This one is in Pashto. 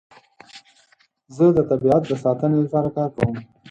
زه د طبیعت د ساتنې لپاره کار کوم.